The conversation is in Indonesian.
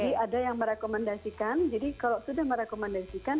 jadi ada yang merekomendasikan jadi kalau sudah merekomendasikan